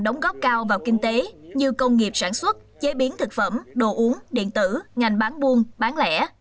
đóng góp cao vào kinh tế như công nghiệp sản xuất chế biến thực phẩm đồ uống điện tử ngành bán buôn bán lẻ